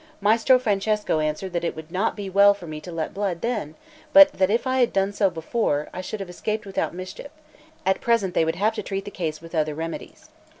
Maestro Francesco answered that it would not be well for me to let blood then, but that if I had done so before, I should have escaped without mischief; at present they would have to treat the case with other remedies.